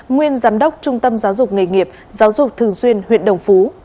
nguyên giám đốc trung tâm giáo dục nghề nghiệp giáo dục thường xuyên huyện đồng phú